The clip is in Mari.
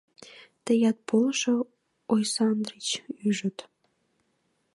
— Тыят полшо, Ойсандрыч! — ӱжыт.